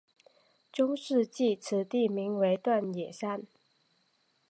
中世纪此地名为锻冶山。